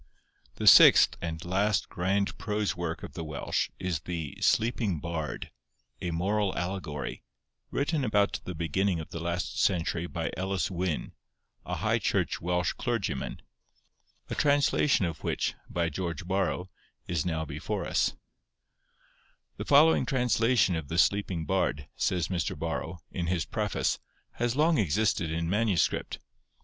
The sixth and last grand prose work of the Welsh is the 'Sleeping Bard,' a moral allegory, written about the beginning of the last century by Elis Wyn, a High Church Welsh clergyman, a translation of which, by George Borrow, is now before us:— 'The following translation of the Sleeping Bard,' says Mr. Borrow, in his preface, 'has long existed in manuscript.